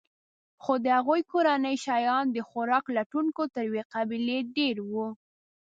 خو د هغوی کورنۍ شیان د خوراک لټونکو تر یوې قبیلې ډېر وو.